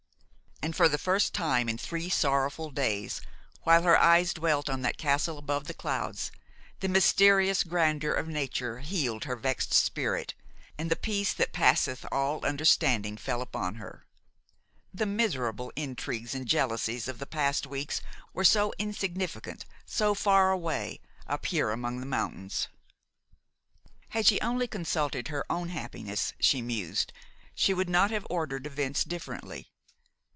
And for the first time in three sorrowful days, while her eyes dwelt on that castle above the clouds, the mysterious grandeur of nature healed her vexed spirit, and the peace that passeth all understanding fell upon her. The miserable intrigues and jealousies of the past weeks were so insignificant, so far away, up here among the mountains. Had she only consulted her own happiness, she mused, she would not have ordered events differently.